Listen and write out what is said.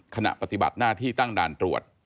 ขณะปฏิบัติหน้าที่ตั้งด่านตรวจ